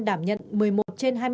đảm nhận một mươi một trên hai